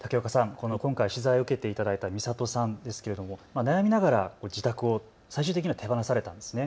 この今回取材を受けていただいたみさとさんですけれども悩みながら自宅を最終的には手放されたんですね。